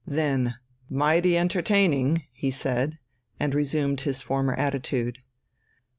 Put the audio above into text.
Then, "Mighty entertaining!" he said, and resumed his former attitude.